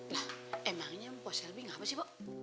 lah emangnya pak selbi ngapa sih pak